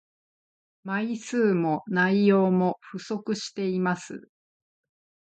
枚数も内容も不足しています